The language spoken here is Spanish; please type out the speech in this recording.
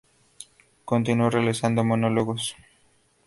Continuó realizando monólogos.